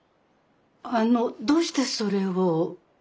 あのどうしてそれを？